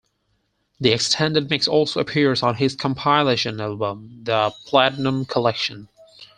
The extended mix also appears on his compilation album "The Platinum Collection".